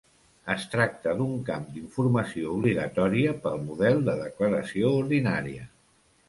Es tracta d'un camp d'informació obligatòria pel model de declaració ordinària.